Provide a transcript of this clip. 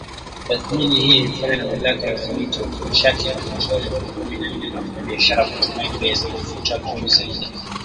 Tathmini hii ilifanywa na Mamlaka ya Udhibiti wa Nishati na Petroli Aprili kumi na nne na wafanya biashara kutumaini bei ya mafuta kuwa juu zaidi